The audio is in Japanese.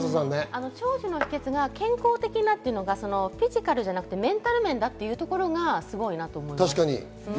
長寿の秘訣が健康的なというのがフィジカルではなくメンタル面というところがすごいと思います。